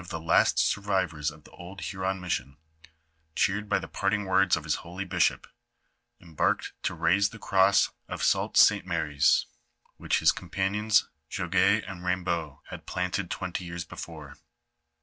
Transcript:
e last survivors of the old Huron mission, cheered by the parting words of his holy bishop, embarked tc raise the cross of Sault St. Mary's, which his companions Jogues and Eaym baut had planted twenty years before.